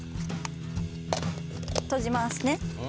閉じますね。